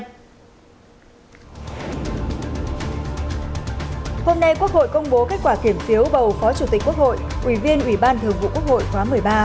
hôm nay quốc hội công bố kết quả kiểm phiếu bầu phó chủ tịch quốc hội ủy viên ủy ban thường vụ quốc hội khóa một mươi ba